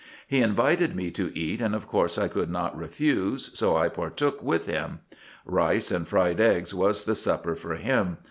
He invited me to eat, and of course I could not refuse, so I partook with him. Rice and fried eggs was the supper for him.